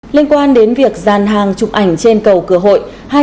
liên quan đến việc gian hàng chụp ảnh trên cầu cửa hội